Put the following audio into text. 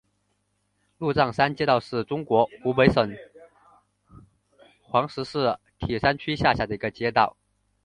鹿獐山街道是中国湖北省黄石市铁山区下辖的一个街道。